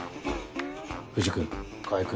藤君川合君